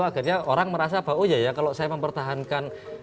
jadi orang merasa bahwa oh iya ya kalau saya mempertahankan